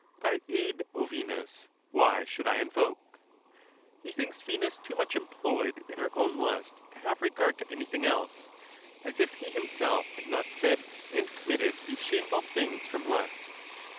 Thy aid, O Venus, why should I invoke ? He thinks Venus too much employed in her own lust to have regard to anything else, as if he himself had not said and committed these shameful things from lust.